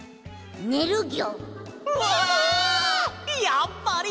やっぱり！